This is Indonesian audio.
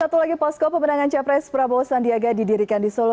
satu lagi posko pemenangan capres prabowo sandiaga didirikan di solo